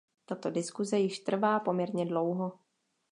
Tato diskuse již trvá poměrně dlouho.